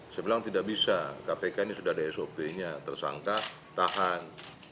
saya bilang tidak bisa kpk ini sudah ada sop nya tersangka tahan